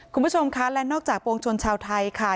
คุณผู้ชมคะและนอกจากปวงชนชาวไทยค่ะ